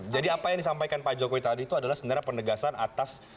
jadi apa yang disampaikan pak jokowi tadi itu adalah sebenarnya penegasan atas